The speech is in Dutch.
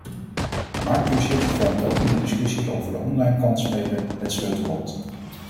Markttoezicht vormt ook in de discussie over de online-kansspelen het sleutelwoord.